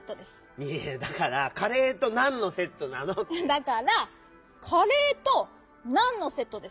だからカレーと「ナンのセット」です！